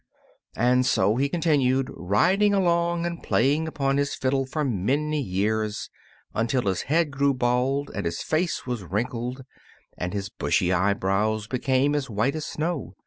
And so he continued riding along and playing upon his fiddle for many years, until his head grew bald and his face was wrinkled and his bushy eyebrows became as white as snow.